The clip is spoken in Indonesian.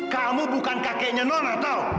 kamu bukan kakeknya nona tahu